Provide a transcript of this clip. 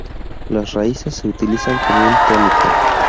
Las raíces se utilizan como un tónico.